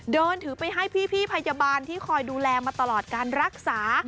เดินถือไปให้พี่พยาบาลที่คอยดูแลมาตลอดการรักษา